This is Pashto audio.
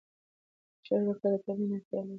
شعر لیکل د تمرین اړتیا لري.